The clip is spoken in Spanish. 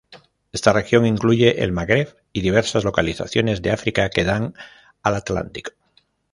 Esta región incluye el magreb y diversas localizaciones de África que dan al Atlántico.